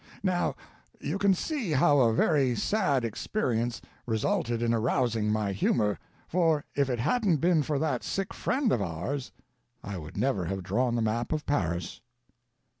Now, you can see how a very sad experience resulted in arousing my humor, for if it hadn't been for that sick friend of ours, I would never have drawn the map of Paris."